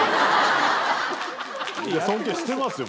尊敬してますよ